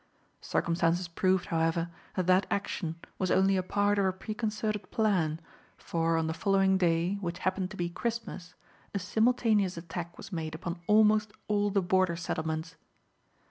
Circumstances proved, however, that that action was only a part of a preconcerted plan, for on the following day, which happened to be Christmas, a simultaneous attack was made upon almost all the border settlements.